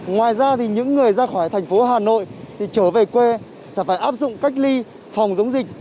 ngoài ra thì những người ra khỏi thành phố hà nội thì trở về quê sẽ phải áp dụng cách ly phòng chống dịch